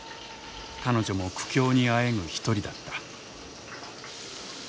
彼女も苦境にあえぐ一人だった。